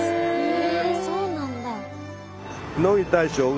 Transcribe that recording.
へえそうなんだ。